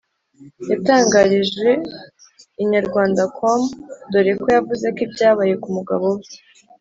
yatangarije inyarwandacom dore ko yavuze ko ibyabaye ku mugabo we